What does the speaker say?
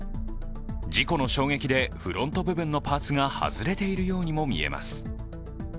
事故の衝撃でフロント部分のパーツが外れているようにも見えます。